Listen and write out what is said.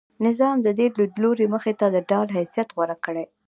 نظام د دې لیدلوري مخې ته د ډال حیثیت غوره کړی.